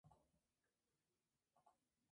Se trata del quinto cuento de ese volumen.